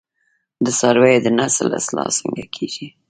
د څارویو د نسل اصلاح څنګه کیږي؟